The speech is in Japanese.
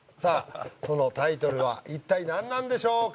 そのタイトルは一体何なんでしょうか？